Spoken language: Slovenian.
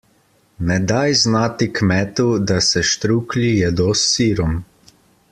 Ne daj znati kmetu, da se štruklji jedo s sirom.